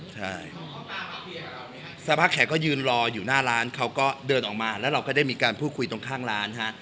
ใช่สักพักแขกก็ยืนรออยู่หน้าร้านเขาก็เดินออกมาแล้วเราก็ได้มีการพูดคุยตรงข้างร้านฮะ